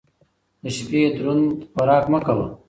د شپې دروند خوراک مه کوه